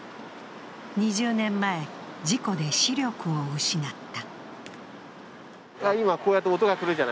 ２０年前、事故で視力を失った。